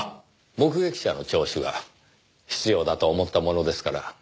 目撃者の聴取は必要だと思ったものですから。